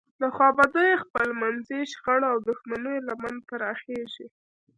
د خوابدیو، خپلمنځي شخړو او دښمنیو لمن پراخیږي.